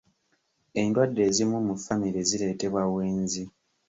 Endwadde ezimu mu famire zireetebwa bwenzi.